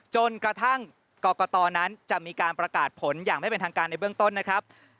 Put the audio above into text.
จนกระทั่งกรกตนั้นจะมีการประกาศผลอย่างไม่เป็นทางการในเบื้องต้นนะครับ